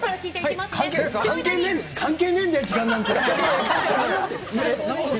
関係ねえんだよ、時間なんて。